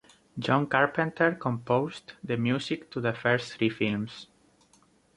John Carpenter composed the music to the first three films.